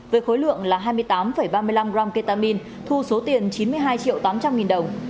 với khối lượng là hai mươi tám ba mươi năm gram ketamin thu số tiền chín mươi hai triệu tám trăm linh nghìn đồng